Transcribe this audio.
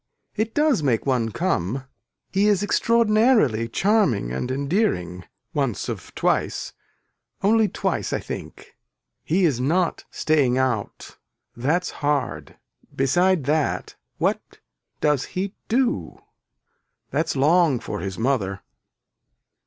It does make one come, he is extraordinarily charming and endearing once of twice only twice I think. He is not staying out that's hard beside that what does he do. That's long for his mother.